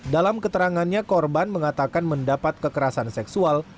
dalam keterangannya korban mengatakan mendapat kekerasan seksual